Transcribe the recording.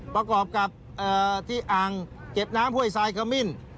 ประกอบกับที่อ่างเก็บน้ำห้วยทรายขมิ้น